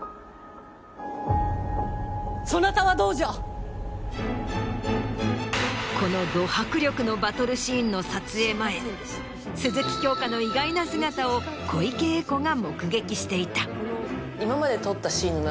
そなたはどうじゃ⁉このド迫力のバトルシーンの撮影前鈴木京香の意外な姿を小池栄子が目撃していた。